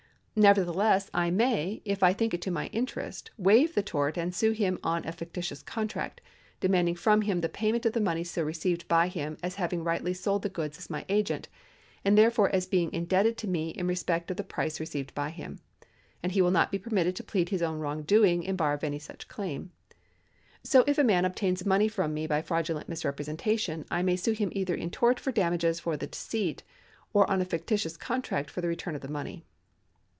Neverthe less I may, if I think it to my interest, waive the tort, and sue him on a fictitious contract, demanding from him the payment of the money so received by him as having rightly sold the goods as my agent, and therefore as being indebted to me in respect of the price received by him ; and he will not be permitted to plead his own wrongdoing in bar of any such claim. ^ So if a man obtains money from me by fraudulent misrepresentation, I may sue him either in tort for damages for the deceit, or on a fictitious contract for the return of the money.